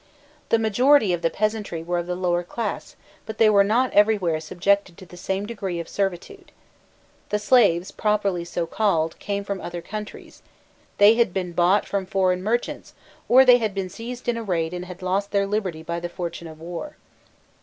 The majority of the peasantry were of the lower class, but they were not everywhere subjected to the same degree of servitude. The slaves, properly so called, came from other countries; they had been bought from foreign merchants, or they had been seized in a raid and had lost their liberty by the fortune of war.